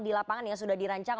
di lapangan yang sudah dirancang